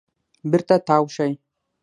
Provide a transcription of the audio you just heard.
بېرته تاو شئ .